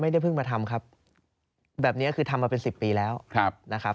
เพิ่งมาทำครับแบบนี้คือทำมาเป็น๑๐ปีแล้วนะครับ